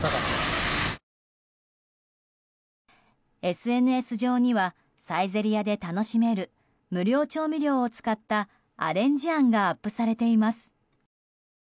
ＳＮＳ上には、サイゼリヤで楽しめる無料調味料を使ったアレンジ案がアップされています。